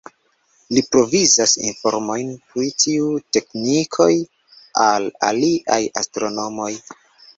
Li provizas informojn pri tiu teknikoj al aliaj astronomoj.